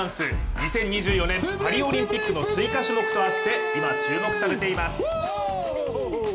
２０２４年パリオリンピックの追加種目とあって今、注目されています。